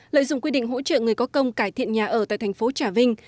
lợi dụng quy định hỗ trợ người có công cải thiện nhà ở tại tp trà vinh